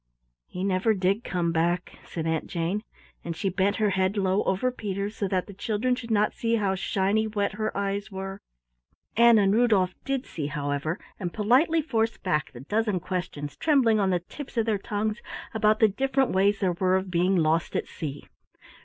"He never did come back," said Aunt Jane, and she bent her head low over Peter's so that the children should not see how shiny wet her eyes were. Ann and Rudolf did see, however, and politely forced back the dozen questions trembling on the tips of their tongues about the different ways there were of being lost at sea.